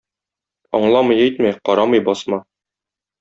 Аңламый әйтмә, карамый басма.